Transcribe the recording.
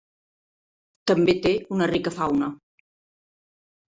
També té una rica fauna.